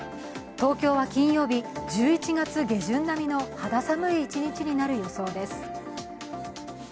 東京は金曜日、１１月下旬並みの肌寒い一日になる予想です。